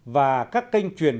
và các kênh truyền